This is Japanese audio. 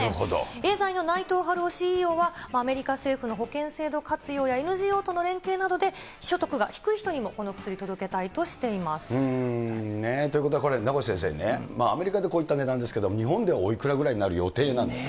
エーザイの内藤ＣＥＯは、アメリカの保険制度活用やＮＧＯとの連携などで、所得が低い人にということは、これ、名越先生ね、アメリカでこういった値段ですけれども、日本ではおいくらぐらいになる予定なんですか？